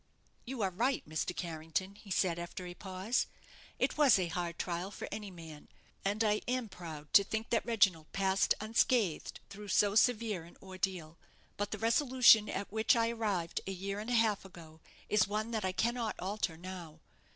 "You are right, Mr. Carrington," he said, after a pause; "it was a hard trial for any man; and I am proud to think that Reginald passed unscathed through so severe an ordeal. But the resolution at which I arrived a year and a half ago is one that I cannot alter now.